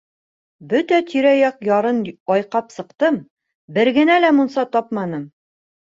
Бөтә тирә-яҡ ярын айҡап сыҡтым, бер генә лә мунса тапманым.